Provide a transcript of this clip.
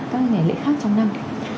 các ngày lễ khác trong năm